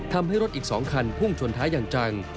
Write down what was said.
ทำให้รถอีก๒คันพุ่งชนท้ายอย่างจัง